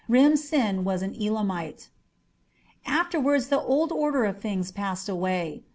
Rim Sin was an Elamite. Afterwards the old order of things passed away.